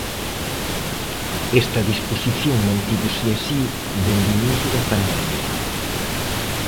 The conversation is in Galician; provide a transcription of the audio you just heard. Esta disposición mantívose así dende o inicio da pandemia.